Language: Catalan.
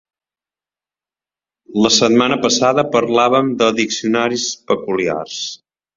La setmana passada parlàvem de diccionaris peculiars.